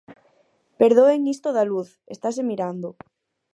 Perdoen isto da luz, estase mirando.